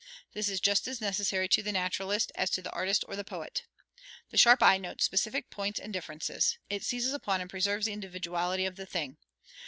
This is just as necessary to the naturalist as to the artist or the poet. The sharp eye notes specific points and differences, it seizes upon and preserves the individuality of the thing.